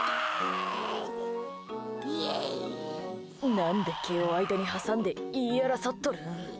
何で毛を間に挟んで言い争っとるん？